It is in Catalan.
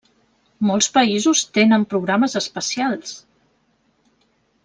Molts països tenen programes espacials.